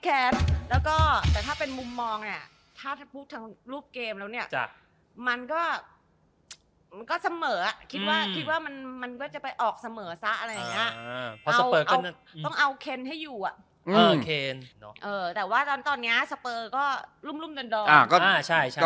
ก็รุ่มรุ่มดันดอมอ่าก็อ่าใช่ใช่ก็ไม่ได้ดี